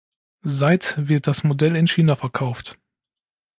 Seit wird das Modell in China verkauft.